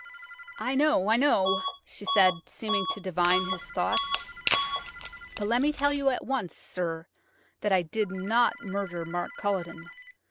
"I know–I know," she said, seeming to divine his thoughts; "but let me tell you at once, sir, that I did not murder Mark Culledon.